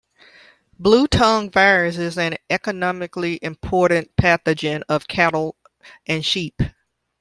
Bluetongue virus is an economically important pathogen of cattle and sheep.